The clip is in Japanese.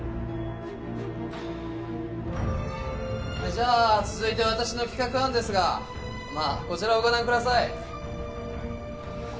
じゃあ続いて私の企画案ですがまあこちらをご覧ください。